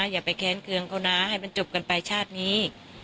อย่าไปแค้นเครื่องเขานะให้มันจบกันไปชาตินี้